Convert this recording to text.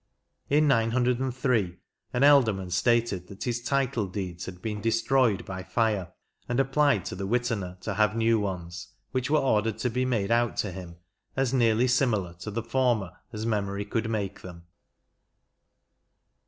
In 903^ an ealdorman stated that his title de^ds had been de stroyed by fire, and applied to the Witena to have new ones, which were ordered to be made out to him, as nearly similar to the former as memory could make them.